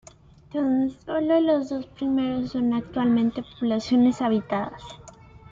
Tan solo los dos primeros son actualmente poblaciones habitadas.